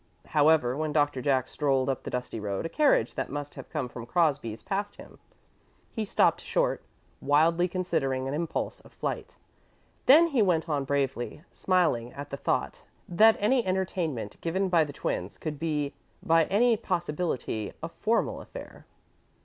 However, when Doctor Jack strolled up the dusty road, a carriage that must have come from Crosby's passed him. He stopped short, wildly considering an impulse of flight. Then he went on bravely, smiling at the thought that any entertainment given by the twins could be by any possibility, a formal affair.